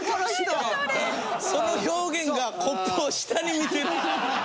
その表現が「コップを下に見てる」。